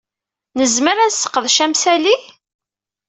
Nezmer ad nesseqdec amsali?